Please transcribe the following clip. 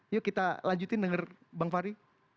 yuk kita lanjutin denger bang fahri